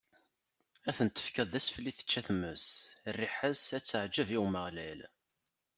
Ad ten-tefkeḍ d asfel i tečča tmes, rriḥa-s ad teɛǧeb i Umeɣlal.